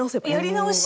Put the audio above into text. やり直し。